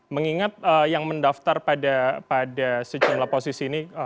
mengingat yang mendaftar pada sejumlah posisi ini